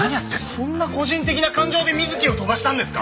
そんな個人的な感情で水木を飛ばしたんですか！？